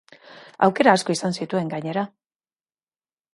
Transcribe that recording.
Aukera asko izan zituen, gainera.